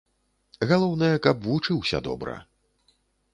Галоўнае, каб вучыўся добра.